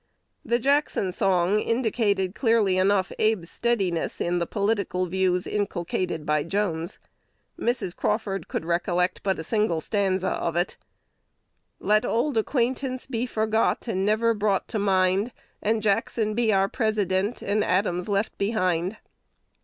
The Jackson song indicated clearly enough Abe's steadiness in the political views inculcated by Jones. Mrs. Crawford could recollect but a single stanza of it: "Let auld acquaintance be forgot, And never brought to mind, And Jackson be our President, And Adams left behind."